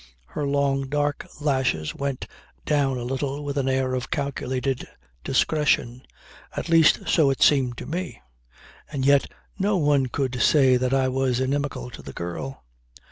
Her long dark lashes went down a little with an air of calculated discretion. At least so it seemed to me. And yet no one could say that I was inimical to that girl.